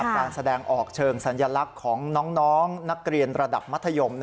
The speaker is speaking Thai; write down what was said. การแสดงออกเชิงสัญลักษณ์ของน้องนักเรียนระดับมัธยม